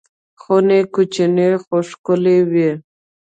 خونې کوچنۍ خو ښکلې وې.